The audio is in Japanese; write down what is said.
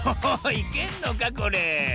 いけんのかこれ？